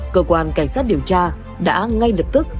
cơ quan cảnh sát điều tra đã ngay lập tức